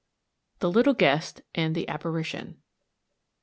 THE LITTLE GUEST AND THE APPARITION.